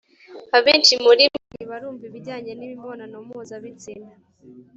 abenshi muri mwe ntibarumva ibijyanye n imibonano mpuzabitsina